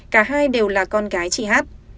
cả hai đều là con gái chị hát